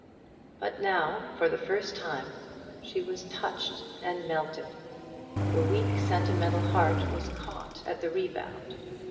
But now, for the first time, she was touched and melted; the weak sentimental heart was caught at the rebound.